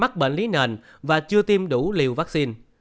mắc bệnh lý nền và chưa tiêm đủ liều vaccine